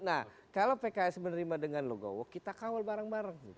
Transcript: nah kalau pks menerima dengan logowo kita kawal bareng bareng